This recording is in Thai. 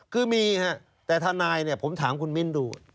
คือมีฮะแต่ทนายเนี่ยผมถามคุณมิ้นดู